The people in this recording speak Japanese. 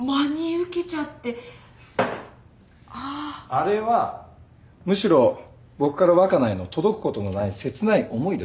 あれはむしろ僕から若菜への届くことのない切ない思いです。